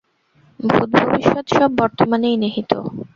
ভূত, ভবিষ্যৎ সব বর্তমানেই নিহিত।